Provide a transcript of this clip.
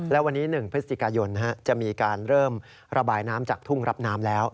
และวันนี้๑พฤศจิกายนจะมีการเริ่มระบายน้ำจากทุ่งรับน้ำแล้ว